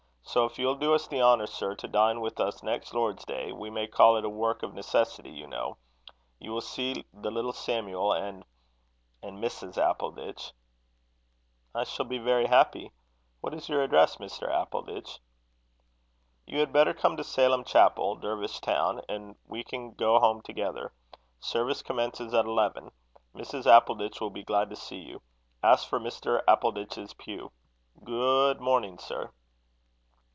So, if you'll do us the honour, sir, to dine with us next Lord's day we may call it a work of necessity, you know you will see the little Samuel, and and Mrs. Appleditch." "I shall be very happy. What is your address, Mr. Appleditch?" "You had better come to Salem Chapel, Dervish town, and we can go home together. Service commences at eleven. Mrs. Appleditch will be glad to see you. Ask for Mr. Appleditch's pew. Goo ood morning, sir."